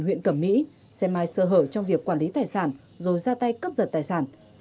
huyện cẩm mỹ xe mai sơ hở trong việc quản lý tài sản rồi ra tay cướp giật tài sản